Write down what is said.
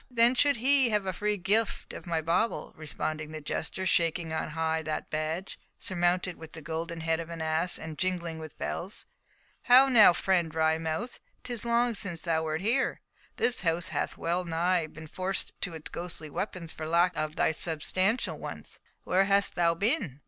Then should he have a free gift of my bauble," responded the jester, shaking on high that badge, surmounted with the golden head of an ass, and jingling with bells. "How now, friend Wry mouth? 'Tis long since thou wert here! This house hath well nigh been forced to its ghostly weapons for lack of thy substantial ones. Where hast thou been?"